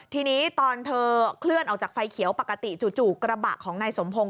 ทีนี้ตอนเธอเคลื่อนออกจากไฟเขียวปกติจู่กระบะของนายสมพงศ